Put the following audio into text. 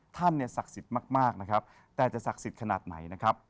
ท่านเนี่ยศักดิ์สิทธิ์มากนะครับแต่จะศักดิ์สิทธิ์ขนาดไหนนะครับ